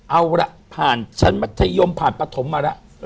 เอาล่ะผ่านชั้นมัธยมผ่านปฐมมาแล้ว